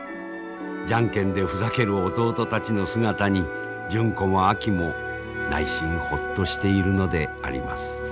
ジャンケンでふざける弟たちの姿に純子もあきも内心ほっとしているのであります。